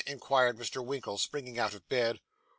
inquired Mr. Winkle, springing out of bed.